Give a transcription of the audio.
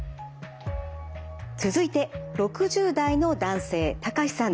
続いて６０代の男性タカシさんです。